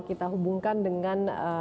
kita hubungkan dengan